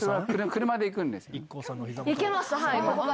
車で行くんですか？